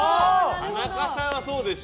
田中さんはそうでしょ。